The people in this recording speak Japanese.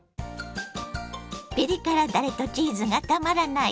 ピリ辛だれとチーズがたまらない